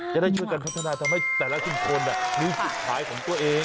จะได้ช่วยกันพัฒนาทำให้แต่ละชุมชนมีจุดขายของตัวเอง